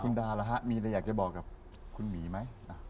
คุณดาล่ะฮะมีอะไรอยากจะบอกกับคุณหมีไหม